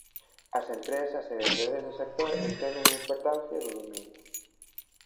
As empresas e entidades do sector entenden a importancia do dominio.